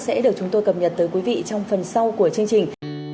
sẽ được chúng tôi cập nhật tới quý vị trong phần sau của chương trình